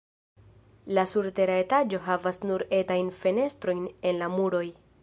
La surtera etaĝo havas nur etajn fenestrojn en la muroj.